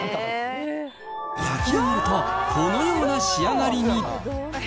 焼き上がると、このような仕上がりに。